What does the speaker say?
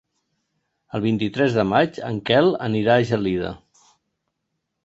El vint-i-tres de maig en Quel anirà a Gelida.